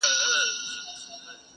له رویباره مي پوښتمه محلونه د یارانو-